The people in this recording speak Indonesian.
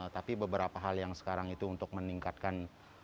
tapi beberapa hal yang sekarang itu untuk meningkatkan